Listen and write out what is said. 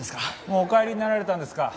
もうお帰りになられたんですか？